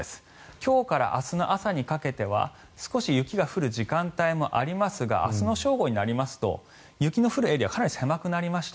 今日から明日の朝にかけては少し雪が降る時間帯もありますが明日の正午になりますと雪の降るエリアはかなり狭くなりました。